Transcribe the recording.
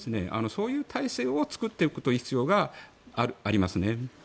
そういう体制を作っておく必要があります。